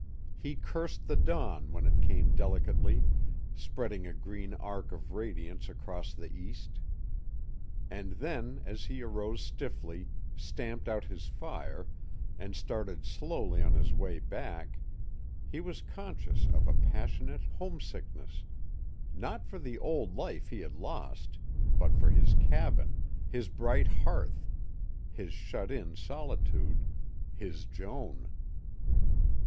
He cursed the dawn when it came delicately, spreading a green arc of radiance across the east. And then, as he arose stiffly, stamped out his fire, and started slowly on his way back, he was conscious of a passionate homesickness, not for the old life he had lost, but for his cabin, his bright hearth, his shut in solitude, his Joan.